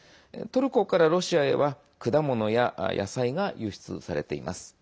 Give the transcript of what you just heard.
トルコからロシアへは果物や野菜が輸出されています。